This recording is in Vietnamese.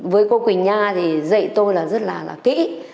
với cô quỳnh nha thì dạy tôi là rất là kỹ